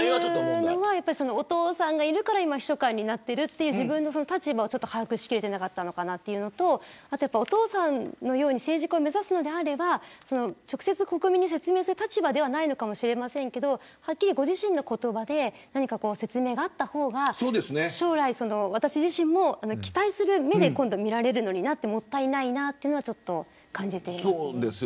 お父さんがいるから秘書官になっている自分の立場を把握し切れなかったのかなというのとお父さんのように政治家を目指すのであれば直接国民に説明する立場ではないかもしれないけどご自身の言葉で説明があった方が将来、私自身も期待する目で見られるのになもったいないと感じています。